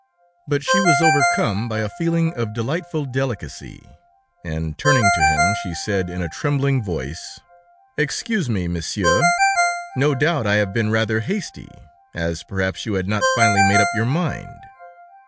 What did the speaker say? But she was overcome by a feeling of delightful delicacy, and turning to him, she said in a trembling voice: "Excuse me, Monsieur; no doubt I have been rather hasty, as perhaps you had not finally made up your mind."